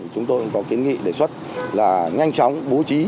chúng tôi có kiến nghị đề xuất là nhanh chóng bố trí